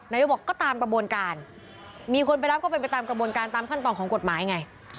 นายกบอกก็ตามกระบวนการมีคนไปรับก็เป็นไปตามกระบวนการตามขั้นตอนของกฎหมายไง